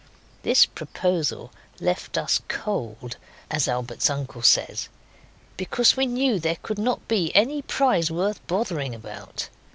This proposal left us cold, as Albert's uncle says, because we knew there could not be any prize worth bothering about.